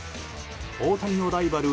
大谷のライバル